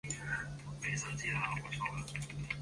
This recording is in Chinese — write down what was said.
其仅能追诉在此之后所发生的犯罪行为。